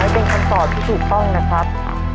เป็นคำตอบที่ถูกต้องนะครับ